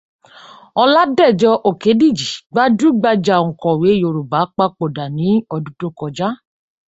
Oladejo Okediji, gbajúgbajà òǹkọ̀wé Yorùbá papòdà ní ọdún tó kọjá.